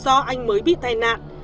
do anh mới bị tai nạn